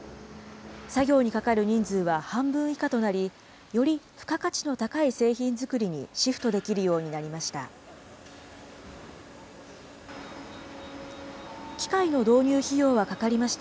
作業にかかる人数は半分以下となり、より付加価値の高い製品作りにシフトできるようになりました。